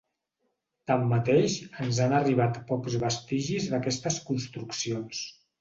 Tanmateix, ens han arribat pocs vestigis d'aquestes construccions.